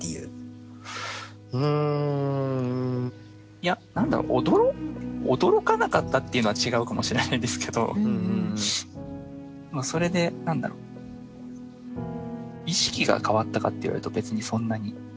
いや何だろう驚かなかったっていうのは違うかもしれないんですけどそれで何だろう意識が変わったかって言われると別にそんなに。